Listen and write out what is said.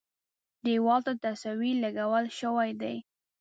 دېوال ته تصویر لګول شوی دی.